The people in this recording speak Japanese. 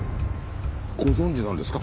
ご存じなんですか？